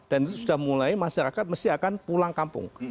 dan sudah mulai masyarakat mesti akan pulang kampung